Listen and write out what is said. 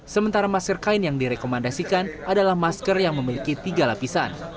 sementara masker kain yang direkomendasikan adalah masker yang memiliki tiga lapisan